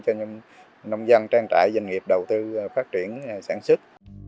cho nông dân trang trại doanh nghiệp đầu tư phát triển sản xuất